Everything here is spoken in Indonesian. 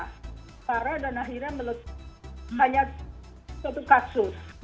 hanya satu kasus